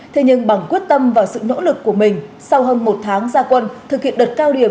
thế nhưng bằng quyết tâm và sự nỗ lực của mình sau hơn một tháng gia quân thực hiện đợt cao điểm